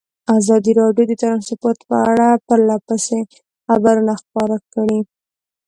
ازادي راډیو د ترانسپورټ په اړه پرله پسې خبرونه خپاره کړي.